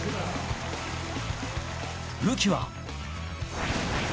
武器は。